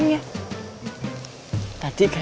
tidak ada yang lari